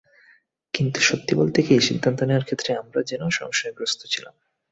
কিন্তু সত্যি বলতে কি, সিদ্ধান্ত নেওয়ার ক্ষেত্রে আমরা যেন সংশয়গ্রস্ত ছিলাম।